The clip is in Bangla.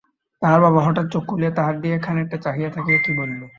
তাহার বাবা হঠাৎ চোখ খুলিয়া তাহার দিকে খানিকটা চাহিয়া থাকিয়া কী বলিল?